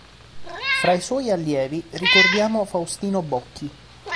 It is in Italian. Fra i suoi allievi ricordiamo Faustino Bocchi.